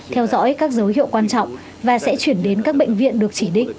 theo dõi các dấu hiệu quan trọng và sẽ chuyển đến các bệnh viện được chỉ định